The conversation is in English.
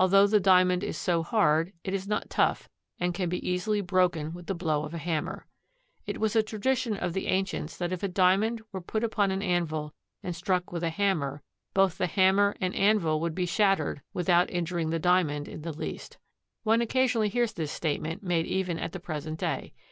Although the Diamond is so hard, it is not tough, and can be easily broken with the blow of a hammer. It was a tradition of the ancients that if a Diamond were put upon an anvil and struck with a hammer, both hammer and anvil would be shattered without injuring the Diamond in the least. One occasionally hears this statement made even at the present day.